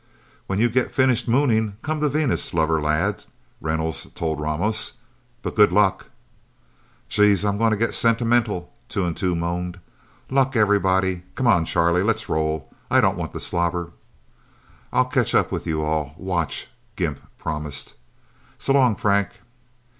"When you get finished Mooning, come to Venus, Lover Lad," Reynolds told Ramos. "But good luck!" "Jeez I'm gonna get sentimental," Two and Two moaned. "Luck everybody. Come on, Charlie let's roll! I don't want to slobber!" "I'll catch up with you all watch!" Gimp promised. "So long, Frank..."